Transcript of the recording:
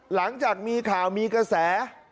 หลังจากมีข่าวมีกระแส